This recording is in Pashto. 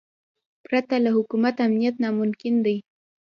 پرته له حکومت امنیت ناممکن دی.